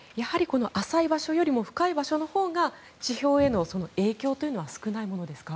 浅い場所よりも深い場所のほうが地表への影響は少ないんですか。